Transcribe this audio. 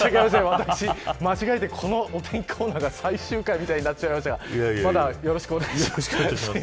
私、間違えてこのお天気コーナーが最終回みたいになっちゃいましたがまだよろしくお願いします。